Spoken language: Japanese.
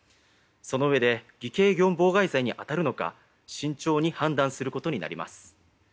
そのうえで偽計業務妨害罪に当たるのか慎重に判断することになります。